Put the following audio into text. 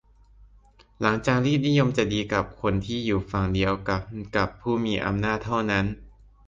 หลักจารีตนิยมจะดีกับคนที่อยู่ฝั่งเดียวกันกับผู้มีอำนาจเท่านั้น